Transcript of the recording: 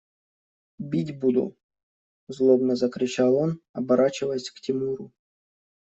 – Бить буду! – злобно закричал он, оборачиваясь к Тимуру.